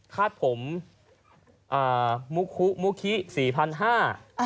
คาดผมมุกหลุมุกคิสี่พันห้า